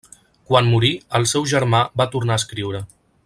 Quan morí el seu germà va tornar a escriure.